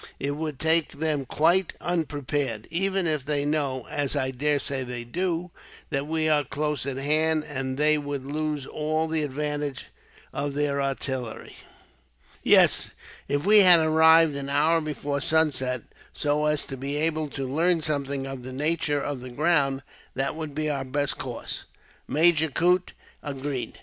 It would take them quite unprepared, even if they know, as I daresay they do, that we are close at hand; and they would lose all the advantage of their artillery." "Yes, if we had arrived an hour before sunset, so as to be able to learn something of the nature of the ground, that would be our best course," Major Coote agreed.